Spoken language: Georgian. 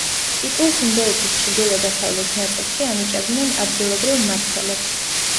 ტიტულს ინდოეთის ჩრდილო–დასავლეთ ნაწილში ანიჭებდნენ ადგილობრივ მმართველებს.